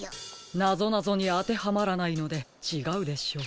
なぞなぞにあてはまらないのでちがうでしょう。